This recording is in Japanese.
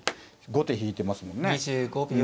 後手引いてますもんね。